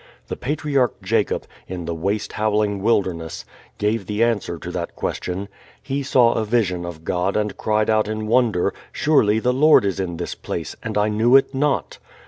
The patriarch Jacob, "in the waste howling wilderness," gave the answer to that question. He saw a vision of God and cried out in wonder, "Surely the Lord is in this place; and I knew it not."